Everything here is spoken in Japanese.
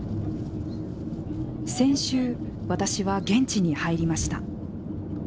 先週、私は現地に入りました。